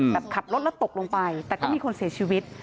ขับรถแล้วตกลงไปแต่ก็มีคนเสียชีวิต